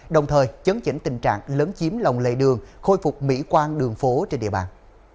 đồng thời chấn chỉnh tình trạng lấn chiếm lòng lề đường khôi phục mỹ quan đường phố trên địa bàn